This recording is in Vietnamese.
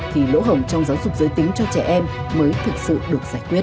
thì lỗ hổng trong giáo dục giới tính cho trẻ em mới thực sự được giải quyết